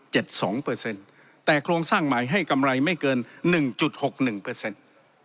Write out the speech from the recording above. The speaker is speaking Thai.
สองเปอร์เซ็นต์แต่โครงสร้างใหม่ให้กำไรไม่เกินหนึ่งจุดหกหนึ่งเปอร์เซ็นต์